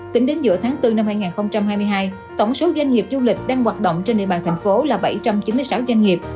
tính đến giữa tháng bốn năm hai nghìn hai mươi hai tổng số doanh nghiệp du lịch đang hoạt động trên địa bàn thành phố là bảy trăm chín mươi sáu doanh nghiệp